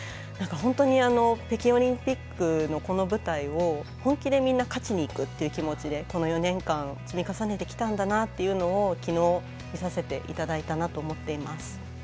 本当に北京オリンピックのこの舞台を本気でみんな勝ちにいくっていう気持ちでこの４年間積み重ねてきたんだなっていうのをきのう、見させていただいたなと思っています。